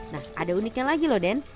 nah ada uniknya lagi loh den